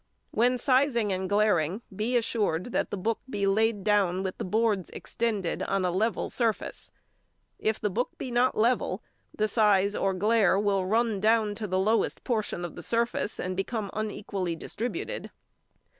When sizeing and glairing, be assured that the book be laid down with the boards extended on a level surface; if the book be not level, the size or glaire will run down to the lowest portion of the surface, and become unequally distributed.